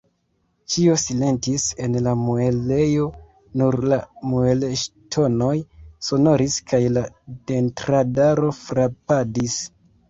Ĉio silentis en la muelejo, nur la muelŝtonoj sonoris kaj la dentradaro frapadis.